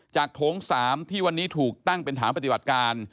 โถง๓ที่วันนี้ถูกตั้งเป็นฐานปฏิบัติการ